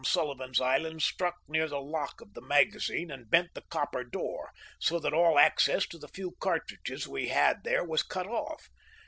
Sullivan's Island struck near the lock of the magazine, and bent the copper door, so that all access to the few cartridges we had there was cut off.